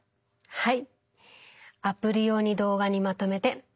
はい！